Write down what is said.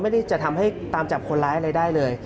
จะทำให้ตามจับคนร้ายอะไรได้เลย